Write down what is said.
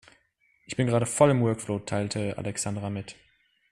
"Ich bin gerade voll im Workflow", teilte Alexandra mit.